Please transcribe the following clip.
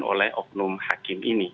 oleh oknum hakim ini